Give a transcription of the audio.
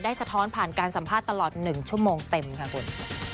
สะท้อนผ่านการสัมภาษณ์ตลอด๑ชั่วโมงเต็มค่ะคุณ